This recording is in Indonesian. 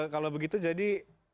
kalau begitu jadi